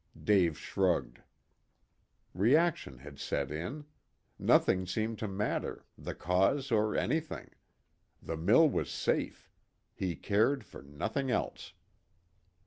Dave shrugged. Reaction had set in. Nothing seemed to matter, the cause or anything. The mill was safe. He cared for nothing else.